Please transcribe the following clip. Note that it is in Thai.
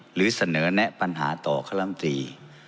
หรือเสนอแนะปัญหาต่อคณะลำตรี